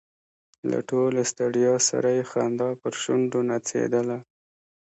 له ټولې ستړیا سره یې خندا پر شونډو نڅېدله.